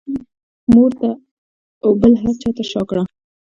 مور ته او بل هر چا ته شا کړه.